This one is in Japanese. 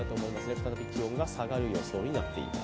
再び気温が下がる予想になっています。